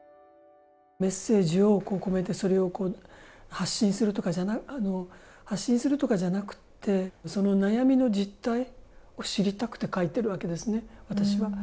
メッセージを込めてそれを発信するとかじゃなくってその悩みの実態を知りたくて書いてるわけですね、私は。